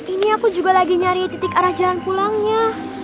ini aku juga lagi nyari titik arah jalan pulangnya